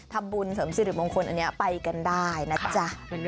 ทำบุญเสริมสิริมงคลอันนี้ไปกันได้นะจ๊ะ